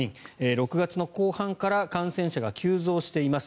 ６月の後半から感染者が急増しています。